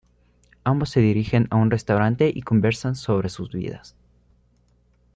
Ambos se dirigen a un restaurante y conversan sobre sus vidas.